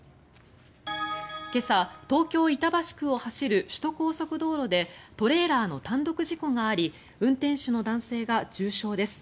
今朝、東京・板橋区を走る首都高速道路でトレーラーの単独事故があり運転手の男性が重傷です。